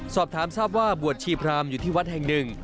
สอบถามทราบว่าบวชชีพรามอยู่ที่วัดแห่งหนึ่ง